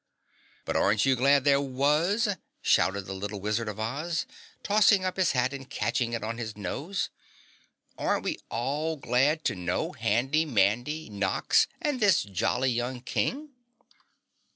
"But aren't you glad there was!" shouted the little Wizard of Oz tossing up his hat and catching it on his nose. "Aren't we all glad to know Handy Mandy, Nox and this jolly young King?"